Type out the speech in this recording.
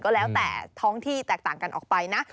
ก็แล้วแต่ท้องที่แตกต่างกันออกไปนะ